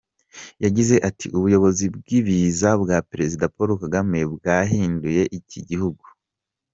Yagize ati” Ubuyobozi bwiza bwa Perezida Paul Kagame bwahinduye iki gihugu.